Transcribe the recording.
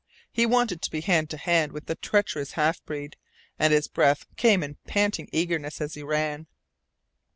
He wanted to be hand to hand with the treacherous half breed, and his breath came in panting eagerness as he ran.